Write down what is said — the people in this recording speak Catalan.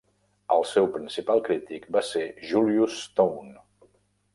El seu principal crític va ser Julius Stone.